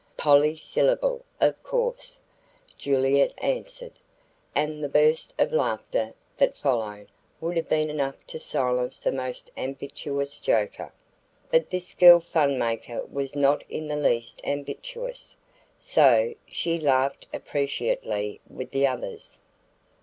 "Polly Syllable, of course," Julietta answered, and the burst of laughter that followed would have been enough to silence the most ambitious joker, but this girl fun maker was not in the least ambitious, so she laughed appreciatively with the others.